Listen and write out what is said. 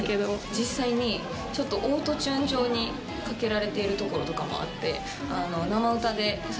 実際にちょっとオートチューン調にかけられているところとかもあって。